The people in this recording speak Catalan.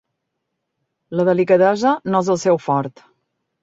La delicadesa no és el seu fort.